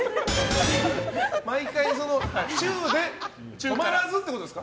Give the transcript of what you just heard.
毎回チューで止まらずということですか？